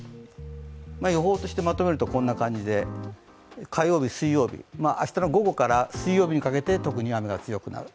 予報としてまとめると、こんな感じで、火曜日、水曜日、明日の午後から、水曜日にかけて特に雨が強くなる。